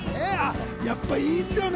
やっぱいいっすよね。